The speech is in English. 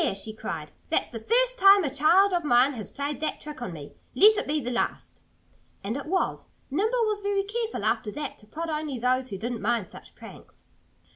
she cried. "That's the first time a child of mine has played that trick on me.... Let it be the last!" And it was. Nimble was very careful, after that, to prod only those that didn't mind such pranks.